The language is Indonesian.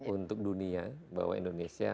untuk dunia bahwa indonesia